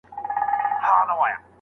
ایا مالونه له جنګ مخکې ذخیره شوي وو؟